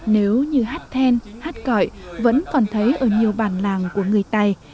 nếu như hát then hát cõi vẫn còn thấy ở nhiều bản làng của người tày